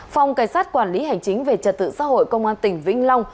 phòng cảnh sát quản lý hành chính về trật tự xã hội công an tỉnh vĩnh long